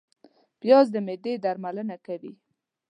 پیاز د معدې درملنه کوي